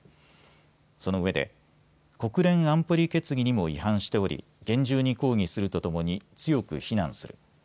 そのうえで国連安保理決議にも違反しており厳重に抗議するとともに強く非難する。